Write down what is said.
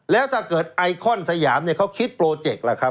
แล้วถ้าเกิดไอคอนสยามเขาคิดโปรเจกต์